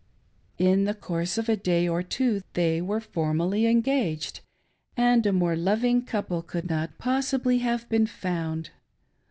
In the course of a day or two they were formally " engaged," and a more loving couple could not possibly have been found.